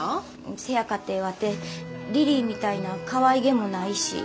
せやかてワテリリーみたいなかわいげもないし。